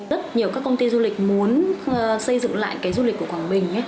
rất nhiều công ty du lịch muốn xây dựng lại du lịch của quảng bình